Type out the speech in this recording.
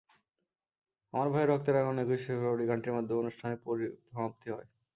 আমার ভাইয়ের রক্তে রাঙানো একুশে ফেব্রুয়ারি গানটির মাধ্যমে অনুষ্ঠানের সমাপ্তি হয়।